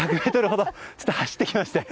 １００ｍほど走ってきまして。